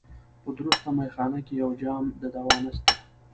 په درسته مېخانه کي یو جام د دوا نسته